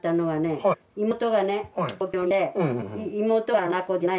はい。